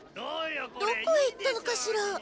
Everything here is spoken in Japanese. どこへ行ったのかしら？